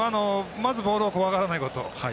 ボールを怖がらないこと。